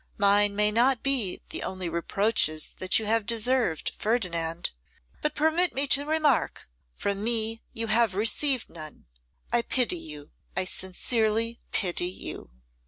'Mine may not be the only reproaches that you have deserved, Ferdinand; but permit me to remark, from me you have received none. I pity you, I sincerely pity you.